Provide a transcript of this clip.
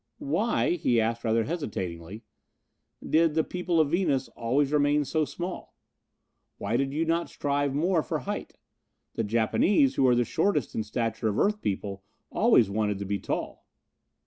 "Why," he asked rather hesitatingly, "did the people of Venus always remain so small? Why did you not strive more for height? The Japanese, who are the shortest in stature of earth people, always wanted to be tall."